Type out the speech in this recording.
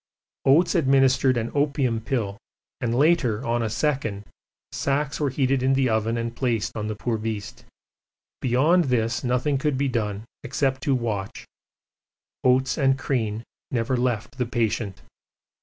Oates administered an opium pill and later on a second, sacks were heated in the oven and placed on the poor beast; beyond this nothing could be done except to watch Oates and Crean never left the patient.